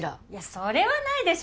それはないでしょ。